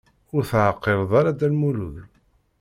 Ur teɛqileḍ ara Dda Lmulud?